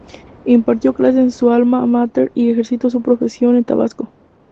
Impartió clases en su alma máter y ejerció su profesión en Tabasco.